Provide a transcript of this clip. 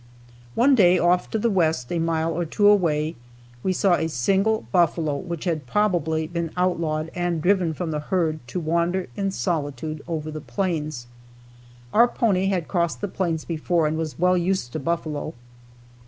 One day, off to the west, a mile or two away, we saw a single buffalo which had probably been outlawed and driven from the herd to wander in solitude over the plains. Our pony had crossed the plains before and was well used to buffalo.